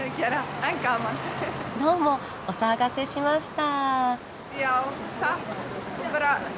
どうもお騒がせしました。